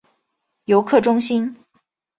游客中心